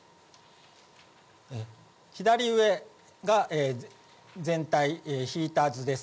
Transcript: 左上が全体、ひいた図です。